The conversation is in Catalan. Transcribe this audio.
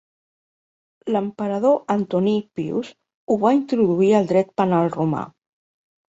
L'emperador Antoní Pius ho va introduir al dret penal romà.